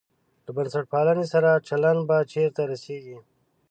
له بنسټپالنې سره چلند به چېرته رسېږي.